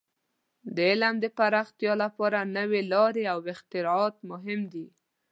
د علم د پراختیا لپاره نوې لارې او اختراعات مهم دي.